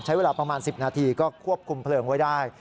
ใช้เวลาประมาณ๑๐นาทีก็ควบคุมเพลิงไว้ได้